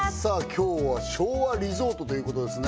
今日は昭和リゾートということですね